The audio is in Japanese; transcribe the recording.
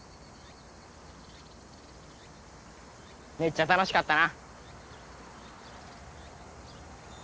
めっちゃ楽しかったな。